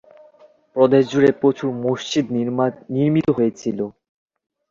প্রদেশ জুড়ে প্রচুর মসজিদ নির্মিত হয়েছিল।